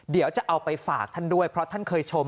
เดี๋ยวจะเอาไปฝากท่านด้วยเพราะท่านเคยชม